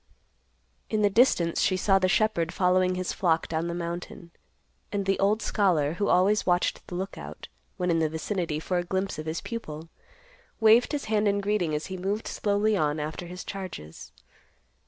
In the distance she saw the shepherd following his flock down the mountain, and the old scholar, who always watched the Lookout, when in the vicinity, for a glimpse of his pupil, waved his hand in greeting as he moved slowly on after his charges.